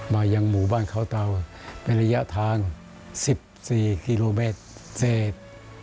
มายังหมู่บ้านเขาเตาเป็นระยะทาง๑๔กิโลเมตรเศษ